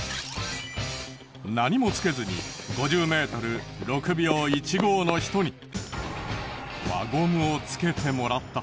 何もつけずに５０メートル６秒１５の人に輪ゴムをつけてもらった。